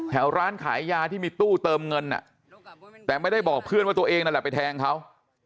ร้านขายยาที่มีตู้เติมเงินแต่ไม่ได้บอกเพื่อนว่าตัวเองนั่นแหละไปแทงเขา